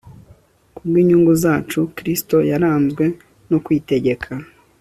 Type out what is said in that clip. Kubwinyungu zacu Kristo yaranzwe no kwitegeka